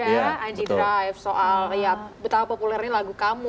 anji drive soal betapa populernya lagu kamu